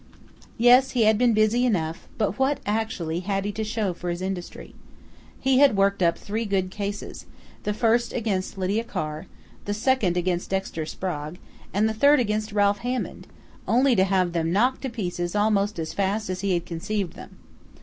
Yes, he had been busy enough, but what, actually, had he to show for his industry? He had worked up three good cases the first against Lydia Carr, the second against Dexter Sprague, and the third against Ralph Hammond only to have them knocked to pieces almost as fast as he had conceived them....